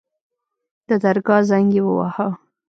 د درګاه زنګ يې وواهه.